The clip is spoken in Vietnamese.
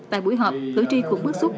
tại buổi họp cử tri cũng bức xúc